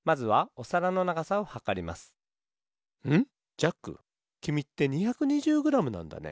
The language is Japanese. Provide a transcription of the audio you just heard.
ジャックきみって２２０グラムなんだね。